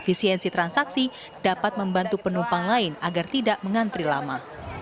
efisiensi transaksi dapat membantu penumpang lain agar tidak mengantri lama